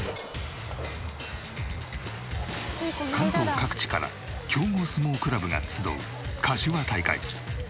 関東各地から強豪相撲クラブが集うかしわ大会。